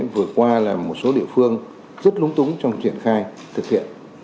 vừa qua là một số địa phương rất lúng túng trong triển khai thực hiện